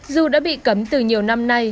dù đã bị cấm từ nhiều năm